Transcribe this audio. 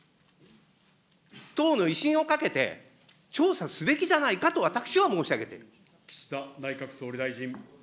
党の威信をかけて、調査すべきじゃないかと、私は申し上げているんです。